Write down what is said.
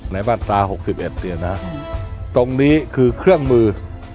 ในบรรตา๖๑เดือนนะตรงนี้คือเครื่องมือ